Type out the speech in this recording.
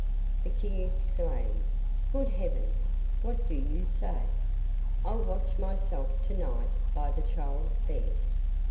The King exclaimed, 'Good heavens! what do you say? I will watch myself to night by the child's bed.